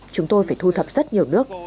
chúng tôi phải thu thập rất nhiều nước